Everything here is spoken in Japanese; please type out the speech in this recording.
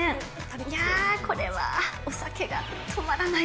いやぁ、これはお酒が止まらない。